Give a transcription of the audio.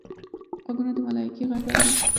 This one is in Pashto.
غوږونه د ملایکې غږ اوري